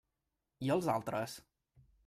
I els altres?